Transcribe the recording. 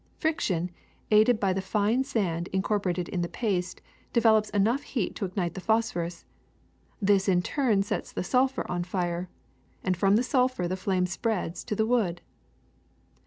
Friction, aided by the fine sand in corporated in the paste, develops enough heat to ignite the phosphorus; this in turn sets the sulphur on fire, and from the sulphur the flame spreads to the wood.